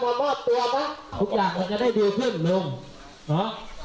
มามอบตัวไหมทุกอย่างมันจะได้ดีขึ้นลงเนาะ